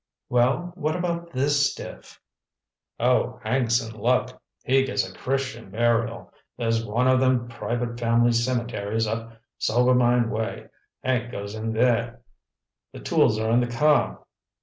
"Well, what about this stiff?" "Oh, Hank's in luck. He gets a Christian burial. There's one of them private family cemeteries up Sulvermine way. Hank goes in there. The tools are in the car."